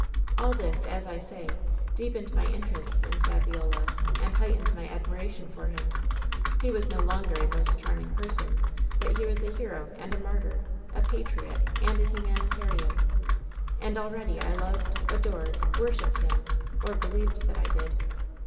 "All this, as I say, deepened my interest in Saviola, and heightened my admiration for him. He was no longer a most charming person, but he was a hero and a martyr, a patriot and a humanitarian. And already 1 loved, adored, worshiped him, or believed that I did.